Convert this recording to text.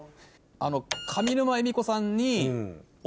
上沼恵美子さんに。